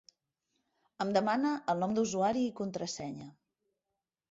Em demana el nom d'usuari i contrasenya.